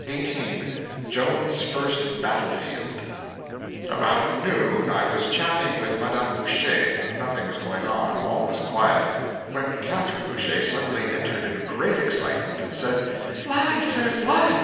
Chapter 18 Joan's First Battle Field ABOUT NOON I was chatting with Madame Boucher; nothing was going on, all was quiet, when Catherine Boucher suddenly entered in great excitement, and said: "Fly, sir, fly!